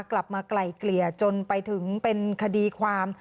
ไกลเกลี่ยจนไปถึงเป็นคดีความ